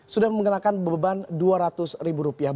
sudah mengenakan beban dua ratus ribu rupiah